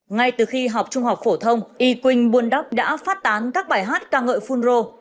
ngay từ khi học trung học phổ thông y quynh buôn đắp đã phát tán các bài hát ca ngợi phun rô